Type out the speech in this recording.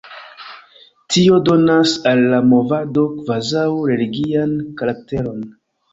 Tio donas al la movado kvazaŭ religian karakteron.